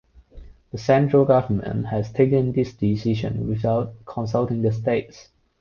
The Central government has taken this decision without consulting the states.